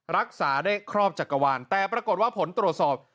รักษาได้ครอบจักรวาลแต่ปรากฏว่าผลตรวจสอบ